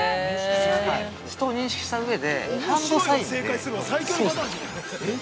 人を認識した上で、ハンドサインで、操作ができる。